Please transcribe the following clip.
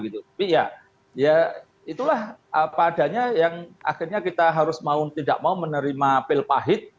tapi ya itulah apa adanya yang akhirnya kita harus mau tidak mau menerima pil pahit